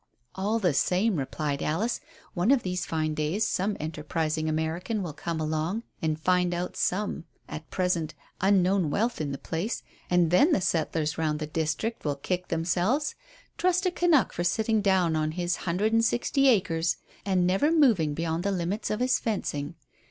"All the same," replied Alice, "one of these fine days some enterprising American will come along and find out some, at present, unknown wealth in the place, and then the settlers round the district will kick themselves. Trust a Canuk for sitting down on his hundred and sixty acres and never moving beyond the limits of his fencing.